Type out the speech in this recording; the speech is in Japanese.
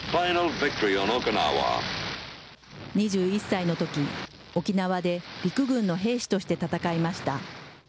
２１歳のとき、沖縄で陸軍の兵士として戦いました。